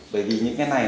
bởi vì những cái này